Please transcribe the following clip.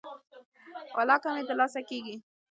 ولاکه مې د لاسه کیږي.